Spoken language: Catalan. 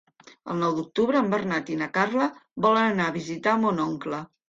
El nou d'octubre en Bernat i na Carla volen anar a visitar mon oncle.